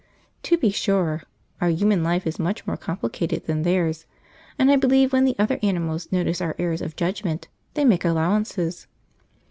To be sure, our human life is much more complicated than theirs, and I believe when the other animals notice our errors of judgment they make allowances.